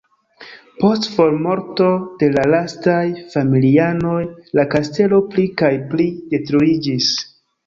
Post formorto de la lastaj familianoj la kastelo pli kaj pli detruiĝis.